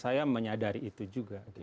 saya menyadari itu juga